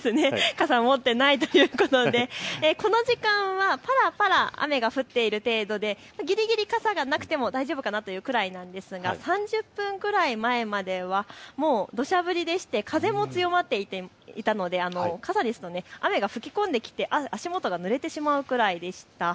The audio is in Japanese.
傘、持っていないということでこの時間はぱらぱら雨が降っている程度でぎりぎり傘がなくても大丈夫かなとこれいうくらいなんですけれど３０分ぐらい前まではどしゃ降りでして風も強まっていたので傘ですと雨が吹き込んできて足元がぬれてしまうくらいでした。